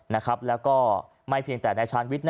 และค่ะและแม้เพียงแต่นายชาณวิส